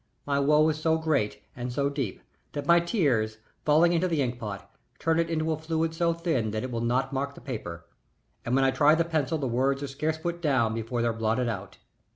My woe is so great and so deep that my tears, falling into the ink pot, turn it into a fluid so thin it will not mark the paper, and when I try the pencil the words are scarce put down before they're blotted out.